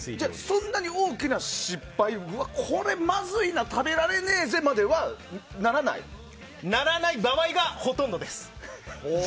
そんなに大きな失敗はこれまずいな食べられねえぜまではならない？ならない場合がほとんどです！